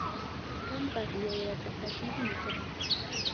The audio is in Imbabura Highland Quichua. Kanpak yayaka takikmi kan